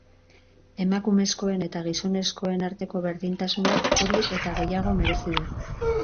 Emakumezkoen eta gizonezkoen arteko berdintasunak hori eta gehiago merezi du.